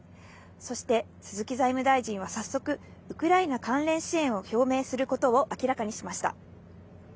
そして、鈴木財務大臣は早速、ウクライナ関連支援を表明することを明らかにしました。